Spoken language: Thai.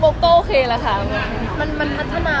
มันพัฒนาขึ้นจากเดิมไหมครับ